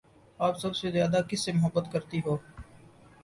آپ سب سے زیادہ کس سے محبت کرتی ہو؟